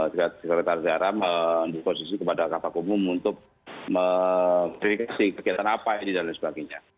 sekretariat daerah mendukung posisi kepada kapak umum untuk mengesinkan kegiatan apa ini dan lain sebagainya